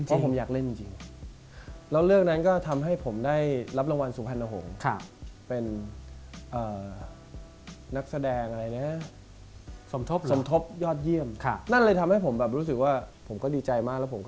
เท่านี้เดี๋ยวผมคืนให้